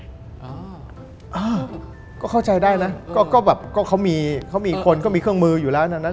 อ้าวก็เข้าใจได้นะก็แบบเขามีคนก็มีเครื่องมืออยู่แล้ว